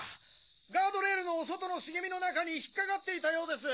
ガードレールの外の茂みの中に引っ掛かっていたようです！